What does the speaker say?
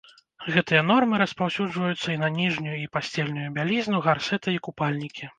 Гэтыя нормы распаўсюджваюцца на ніжнюю і пасцельную бялізну, гарсэты і купальнікі.